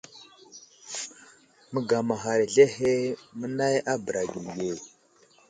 Məgamaghar azlehe mənay a bəra gəli ge.